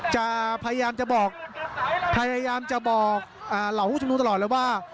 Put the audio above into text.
จะพยายามจะบอกพยายามจะบอกเหล่าผู้ชมนุมตลอดเลยว่า